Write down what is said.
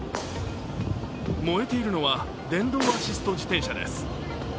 燃えているのは、電動アシスト自転車です。